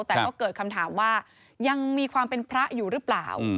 แต่ก็เกิดคำถามว่ายังมีความเป็นพระอยู่หรือเปล่า